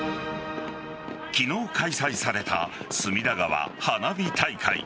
昨日開催された隅田川花火大会。